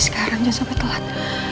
sekarang jangan sampai telat